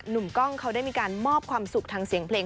กล้องเขาได้มีการมอบความสุขทางเสียงเพลง